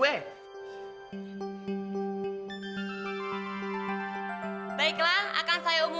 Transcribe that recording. baiklah akan saya umumkan siapa yang akan menjadi romeo